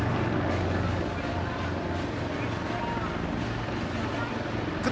para prajurit tni akan menemukan para prajurit tentara nasional indonesia